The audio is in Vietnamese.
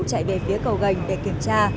chạy về phía cầu gành để kiểm tra